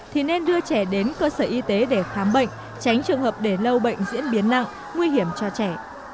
thì nên đưa trẻ đến cơ sở y tế để khám bệnh tránh trường hợp để lâu bệnh diễn biến nặng nguy hiểm cho trẻ